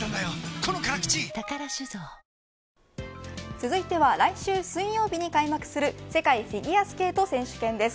続いては来週水曜日に開幕する世界フィギュアスケート選手権です。